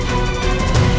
aku akan menangkapmu